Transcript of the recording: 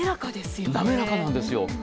滑らかなんですよ。